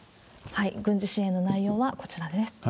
軍事支援の内容はこちらです。